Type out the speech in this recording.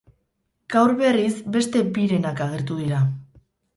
Gaur, berriz, beste birenak agertu dira.